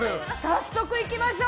早速いきましょう。